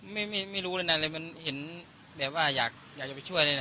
ไม่อยากรู้เลยน่ะเห็นแบบว่าอยากช่วยเลยน่ะ